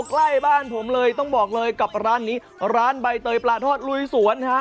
ใกล้บ้านผมเลยต้องบอกเลยกับร้านนี้ร้านใบเตยปลาทอดลุยสวนฮะ